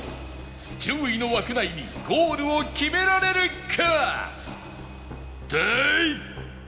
１０位の枠内にゴールを決められるか？